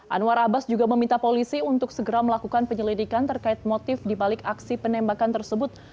anwar abbas juga meminta polisi untuk segera melakukan penyelidikan terkait motif dibalik aksi penembakan tersebut